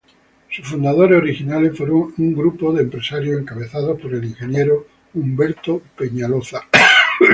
Sus fundadores originales fueron un grupo de empresarios encabezados por el ingeniero Humberto Peñaloza.